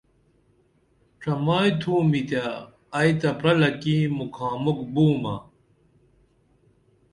ڇمائی تھومئی تیہ ائی تہ پرلہ کی مُکھا مُکھ بومہ